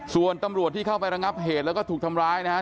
ส่วนตำรวจที่เข้าไประงับเหตุแล้วก็ถูกทำร้ายนะฮะ